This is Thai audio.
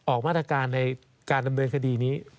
ออกมาตรการในการดำเนินคดีนี้